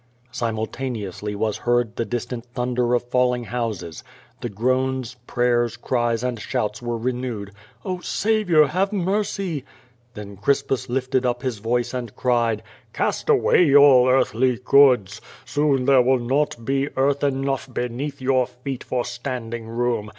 Simultaneously was heard the distant thunder of falling houses. The groans, prayers, cries and shouts were renewed, "Oh, Saviour, have mercy !'* Then Crispus lifted up his voice and cried: "Cast away all earthly goods. Soon there will not be earth enough beneath your feet for standing room.